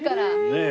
ねえ。